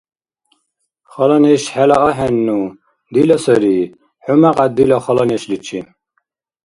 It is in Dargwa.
– Хала неш хӀела ахӀенну, дила сари. ХӀу мякьяд дила хала нешличи!